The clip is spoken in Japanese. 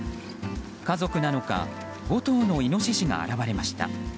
家族なのか５頭のイノシシが現れました。